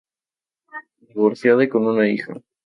Divorciada y con una hija.